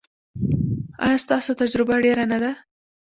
ایا ستاسو تجربه ډیره نه ده؟